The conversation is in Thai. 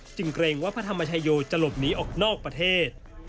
เกรงว่าพระธรรมชายโยจะหลบหนีออกนอกประเทศ